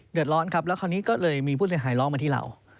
เดือดร้อนครับแล้วคราวนี้ก็เลยมีผู้เสียหายร้องมาที่เรา